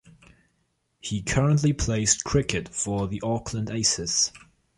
He currently plays cricket for the Auckland Aces.